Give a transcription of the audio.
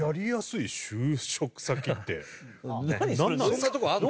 そんなところあるの？